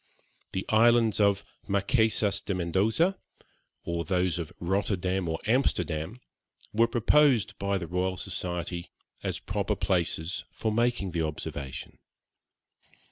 The islands of Marquesas de Mendoza, or those of Rotterdam or Amsterdam, were proposed by the Royal Society as proper places for making the observation.